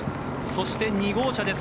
そして２号車。